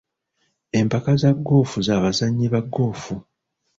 Empaka za goofu za bazannyi ba goofu.